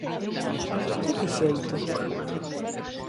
De que xeito?